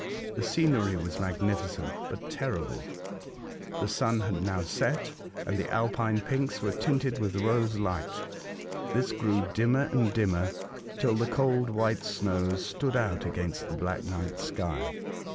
The scenery was magnifi cent, but terrible. The sun had now set, and the Alpine peaks were tinted with rose light. This grew dimmer and dimmer, till the cold, white snows stood out against the black night sky.